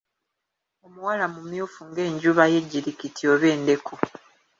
Omuwala mumyufu ng'enjuba y'ejjirikiti oba endeku.